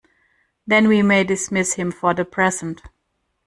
Then we may dismiss him for the present.